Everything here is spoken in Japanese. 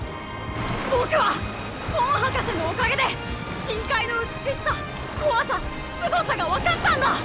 僕はコン博士のおかげで深海の美しさ怖さすごさが分かったんだ！